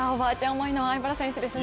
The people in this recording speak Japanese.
思いの粟飯原選手ですね。